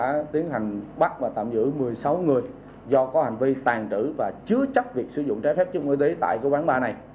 chúng tôi đã tiến hành bắt và tạm giữ một mươi sáu người do có hành vi tàn trữ và chứa chấp việc sử dụng trái phép chức nguy tế tại vũ trường ba này